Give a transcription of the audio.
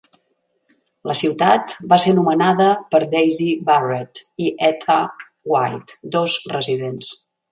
La ciutat va ser nomenada per Daisy Barrett i Etta White, dos residents.